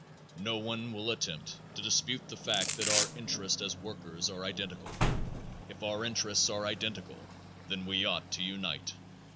No one will attempt to dispute the fact that our interests as workers are identical. If our interests are identical, then we ought to unite.